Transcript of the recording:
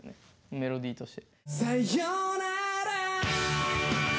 メロディーとして。